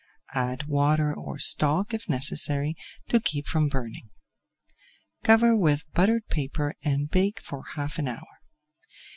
Add water or stock, if necessary, to keep from burning. Cover with buttered paper and bake for half an hour.